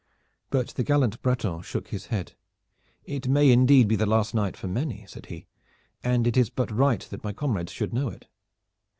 But the gallant Breton shook his head. "It may indeed be the last night for many," said he, "and it is but right that my comrades should know it.